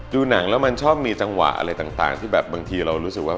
ดูหนังแล้วมันชอบมีจังหวะอะไรต่างที่แบบบางทีเรารู้สึกว่า